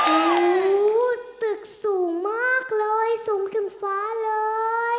โอ้โหตึกสูงมากเลยสูงขึ้นฟ้าเลย